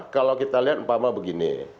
kalau kita lihat mpama begini